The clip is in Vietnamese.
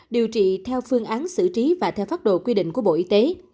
điều trị theo phương án xử trí và theo pháp đồ quy định của bộ y tế